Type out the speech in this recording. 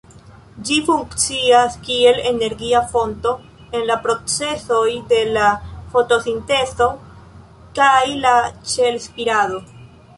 Ĝi funkcias kiel energia fonto en la procesoj de la fotosintezo kaj la ĉel-spirado.